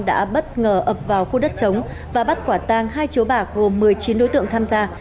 đã bất ngờ ập vào khu đất chống và bắt quả tang hai chiếu bạc gồm một mươi chín đối tượng tham gia